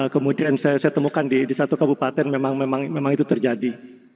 kemudian saya temukan di satu kabupaten memang itu terjadi